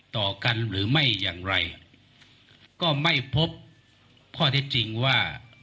ต่อกันหรือไม่อย่างไรก็ไม่พบข้อเท็จจริงว่า